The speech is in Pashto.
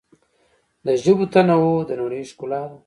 د ژبو تنوع د نړۍ ښکلا ده.